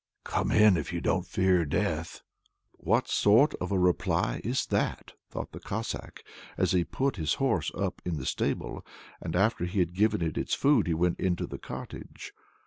"Come in, if you don't fear death!" "What sort of a reply is that?" thought the Cossack, as he put his horse up in the stable. After he had given it its food he went into the cottage.